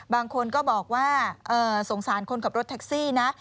บางคนก็บอกว่าสงสารคนขับรถแท็กซี่นะ